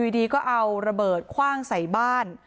ดีก็เอาระเบิดคว่างใส่บ้าน